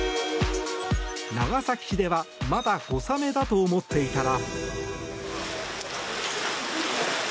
長崎市ではまだ小雨だと思っていたら。